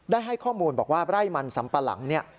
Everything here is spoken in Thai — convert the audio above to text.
ได้ให้ข้อมูลบอกว่าไร่มันสัมปะหลัง